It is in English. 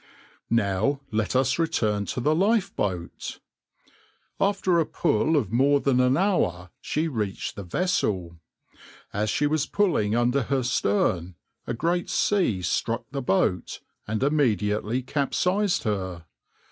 \par Now let us return to the lifeboat. "After a pull of more than an hour she reached the vessel. As she was pulling under her stern, a great sea struck the boat, and immediately capsized her.